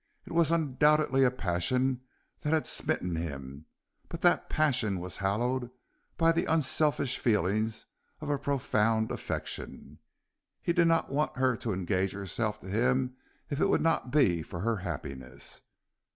It was undoubtedly a passion that had smitten him, but that passion was hallowed by the unselfish feelings of a profound affection. He did not want her to engage herself to him if it would not be for her happiness.